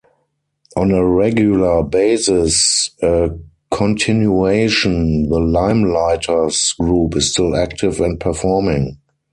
On a regular basis a continuation The Limeliters group is still active and performing.